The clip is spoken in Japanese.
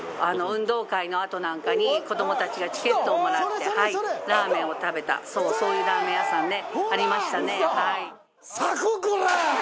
運動会のあとなんかに子どもたちがチケットをもらってラーメンを食べたそうそういうラーメン屋さんねありましたねはい。